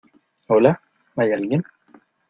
¿ hola? ¿ hay alguien ?